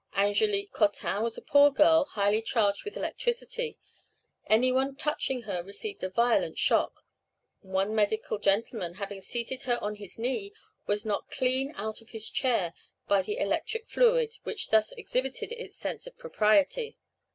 Angelique Cottin was a poor girl, highly charged with electricity. Any one touching her received a violent shock; one medical gentleman, having seated her on his knee, was knocked clean out of his chair by the electric fluid, which thus exhibited its sense of propriety.